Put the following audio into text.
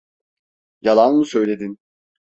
Yalan mı söyledin?